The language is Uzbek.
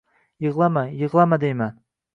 Yig‘lama, yig‘lama deyman